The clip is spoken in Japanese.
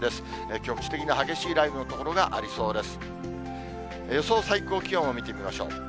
局地的に激しい雷雨の所がありそうです。